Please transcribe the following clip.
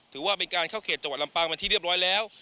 ถือว่าเป็นการเข้าเขตจังหวัดลำปางมาที่เรียบร้อยแล้ว